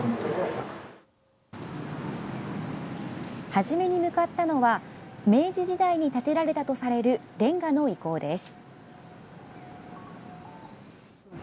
初めに向かったのは明治時代に建てられたとされるれんがの遺構です。